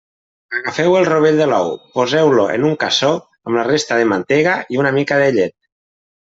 Agafeu el rovell de l'ou, poseu-lo en un cassó amb la resta de mantega i una mica de llet.